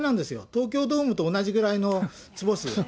東京ドームと同じぐらいの坪数。